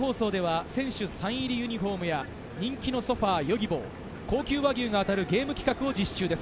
データ放送では選手サイン入りユニホームや人気のソファＹｏｇｉｂｏ、高級和牛が当たるゲーム企画を実施中です。